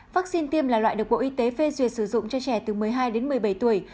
vaccine tiêm là loại được bộ y tế phê duyệt sử dụng cho trẻ từ một mươi hai đến một mươi bảy tuổi